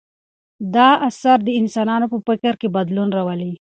دا اثر د انسانانو په فکر کې بدلون راولي.